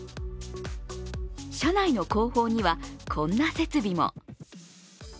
車内の後方にはこんな設備も。